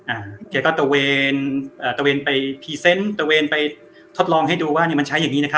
อ่าแกก็ตะเวนอ่าตะเวนไปพรีเซนต์ตะเวนไปทดลองให้ดูว่าเนี้ยมันใช้อย่างงี้นะคะ